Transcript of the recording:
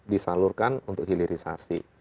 disalurkan untuk hilirisasi